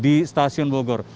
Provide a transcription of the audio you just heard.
di stasiun bogor